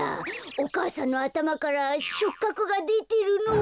お母さんのあたまからしょっかくがでてるのを。